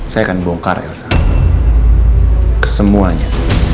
saya akan bongkar elsa kesemuanya